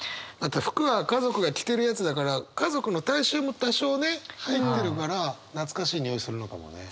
服は家族が着てるやつだから家族の体臭も多少ね入ってるから懐かしいにおいするのかもね。